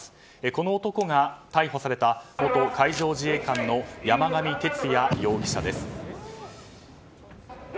この男が逮捕された元海上自衛官の山上徹也容疑者です。